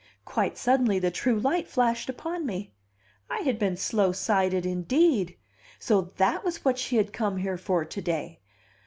Quite suddenly the true light flashed upon me. I had been slow sighted indeed! So that was what she had come here for to day!